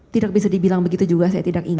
tidak bisa dibilang begitu juga saya tidak ingin